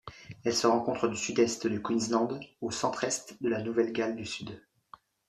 Elle se rencontre du Sud-Est du Queensland au centre-Est de la Nouvelle-Galles du Sud.